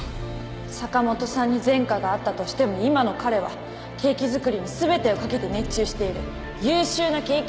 坂元さんに前科があったとしても今の彼はケーキ作りに全てを懸けて熱中している優秀なケーキ